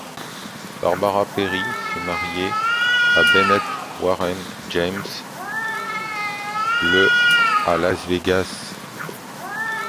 Barbara Perry s'est mariée à Bennett Warren James le à Las Vegas.